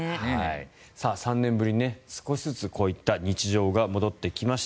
３年ぶりに少しずつこういった日常が戻ってきました。